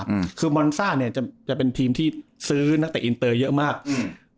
อืมคือมอนซ่าเนี้ยจะจะเป็นทีมที่ซื้อนักเตะอินเตอร์เยอะมากอืม